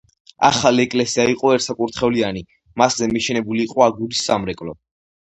ახალი ეკლესია იყო ერთსაკურთხევლიანი, მასზე მიშენებული იყო აგურის სამრეკლო.